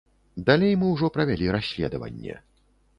Далей мы ўжо правялі расследаванне.